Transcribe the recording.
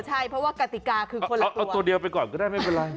ใช่เพราะว่ากติกาคือคนเราเอาตัวเดียวไปก่อนก็ได้ไม่เป็นไร